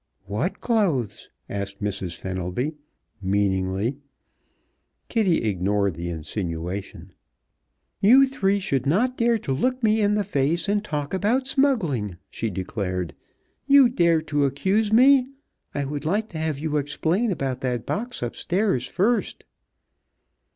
"What clothes?" asked Mr. Fenelby, meaningly. Kitty ignored the insinuation. "You three should not dare to look me in the face and talk about smuggling," she declared. "You dare to accuse me. I would like to have you explain about that box upstairs first."